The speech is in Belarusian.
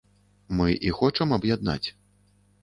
Мы і хочам аб'яднаць.